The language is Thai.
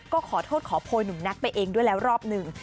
ก็ขอโทษขอโพยหนุ่มแก๊กไปเองด้วยแล้วรอบหนึ่ง